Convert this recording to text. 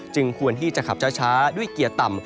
ควรที่จะขับช้าด้วยเกียร์ต่ำ